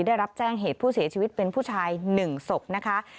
ได้รับแจ้งเหตุผู้เสียชีวิตเป็นผู้ชาย๑ศพนะคะ